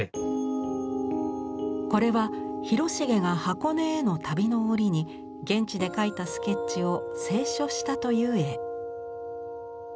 これは広重が箱根への旅の折に現地で描いたスケッチを清書したという絵。